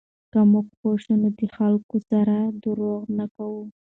که موږ پوه شو، نو د خلکو سره درواغ نه کوو.